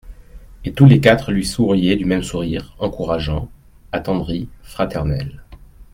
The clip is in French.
Et tous les quatre lui souriaient du même sourire encourageant, attendri, fraternel.